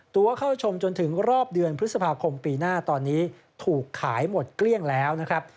ตัวเข้าชมจนถึงรอบเดือนพฤษภาคมปีหน้าตอนนี้ถูกขายหมดเกลี้ยงแล้วนะครับ